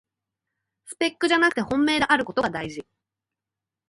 スペックじゃなくて本命であることがだいじ